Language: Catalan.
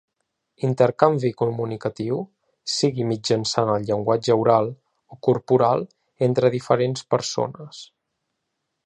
Intercanvi comunicatiu, sigui mitjançant el llenguatge oral o corporal, entre diferents persones.